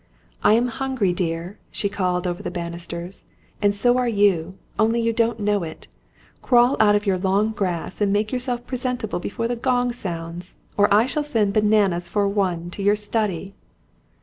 "I am hungry, dear," she called over the banisters, "and so are you, only you don't know it! Crawl out of your long grass, and make yourself presentable before the gong sounds; or I shall send bananas for one, to your study!"